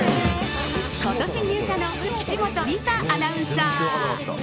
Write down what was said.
今年入社の岸本理沙アナウンサー。